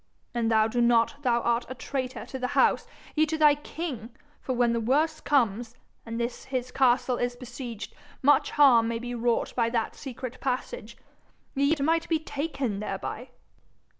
An' thou do not, thou art a traitor to the house, yea to thy king, for when the worst comes, and this his castle is besieged, much harm may be wrought by that secret passage, yea, it may be taken thereby.'